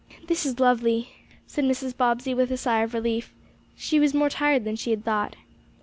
"This is lovely," said Mrs. Bobbsey with a sigh of relief. She was more tired than she had thought.